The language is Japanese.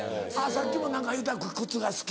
さっきも何か言うてた「靴が好き」